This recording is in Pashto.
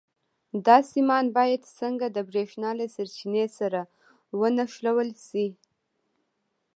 دا سیمان باید څنګه د برېښنا له سرچینې سره ونښلول شي؟